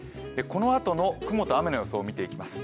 このあとの雲と雨の予想を見ていきます。